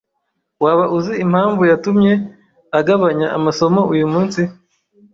Waba uzi impamvu yatumye agabanya amasomo uyumunsi?